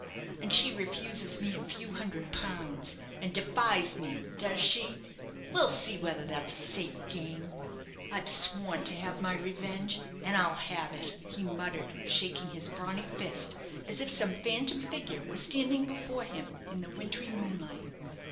And she refuses me a few hundred pounds, and defies me, does she? We'll see whether that's a safe game. I've sworn to have my revenge, and I'll have it," he muttered, shaking his brawny fist, as if some phantom figure were standing before him in the wintry moonlight.